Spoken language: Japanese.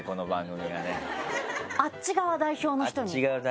あっち側代表の人にね。